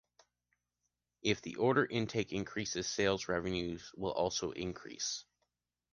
If the order intake increases, sales revenues will also increase.